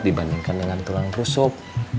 dibandingkan dengan tulang rusuh